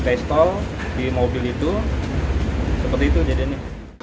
pistol di mobil itu seperti itu jadi ini